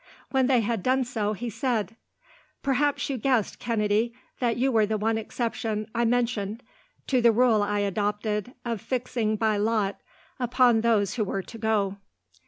When they had done so, he said: "Perhaps you guessed, Kennedy, that you were the one exception I mentioned to the rule I adopted, of fixing by lot upon those who were to go."